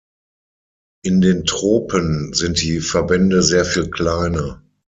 In den Tropen sind die Verbände sehr viel kleiner.